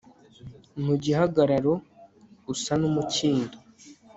mu gihagararo usa n'umukindo